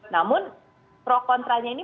namun pro kontra nya ini